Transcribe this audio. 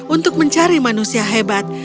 untuk mencari manusia hebat